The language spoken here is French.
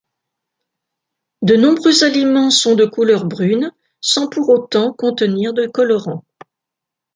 De nombreux aliments sont de couleur brune, sans pour autant contenir de colorants.